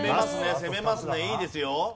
攻めますねいいですよ。